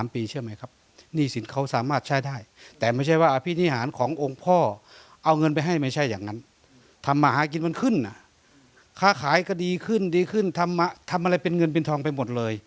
ที่ทำอะไรของมันเป็นเงินเป็นทองไปหมดเลย